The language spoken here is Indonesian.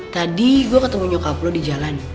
tadi gue ketemu nyokap lo di jalan